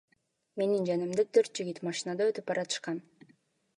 Менин жанымдан төрт жигит машинада өтүп баратышкан.